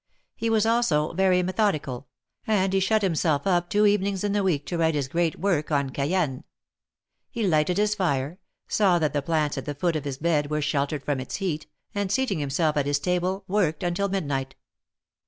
He was also very methodical, and he shut himself up two evenings in the week to write his great work on Cayenne. He lighted his fire, saw that the plants at the foot of his bed were sheltere4 from its heat, and, seating himself at his table, worked until midnight.